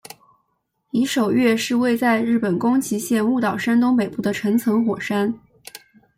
夷守岳是位在日本宫崎县雾岛山东北部的成层火山。